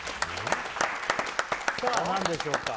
さあ何でしょうか？